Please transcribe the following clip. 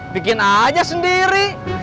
bikin aja sendiri